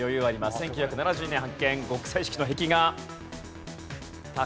１９７２年に発見極彩色の壁画。